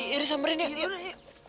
iru samberin yuk